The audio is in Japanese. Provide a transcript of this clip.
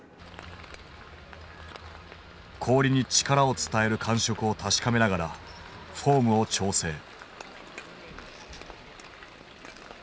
氷に力を伝える感触を確かめながらフォームを調整。